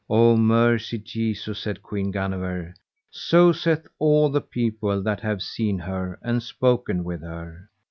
O mercy Jesu, said Queen Guenever, so saith all the people that have seen her and spoken with her.